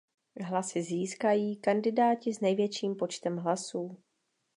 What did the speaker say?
Hlasy získají kandidáti s největším počtem hlasů.